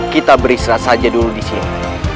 kita beristirahat saja dulu disini